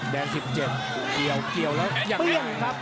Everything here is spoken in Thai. แดน๑๗เกี่ยวแล้วเปรี้ยงครับ